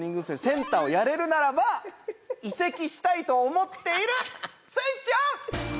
センターをやれるならば移籍したいと思っているスイッチオン！